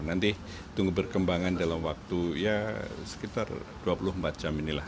nanti tunggu perkembangan dalam waktu ya sekitar dua puluh empat jam inilah